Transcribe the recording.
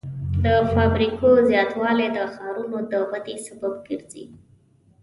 د فابریکو زیاتوالی د ښارونو د ودې سبب ګرځي.